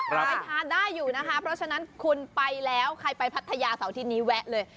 ไปทานได้อยู่นะคะเพราะฉะนั้นคุณไปแล้วใครไปพัทยาเสาร์อาทิตย์นี้แวะเลย